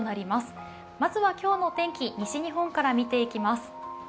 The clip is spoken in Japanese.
まずは今日の天気、西日本から見ていきます。